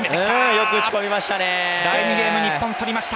よく打ちこみました！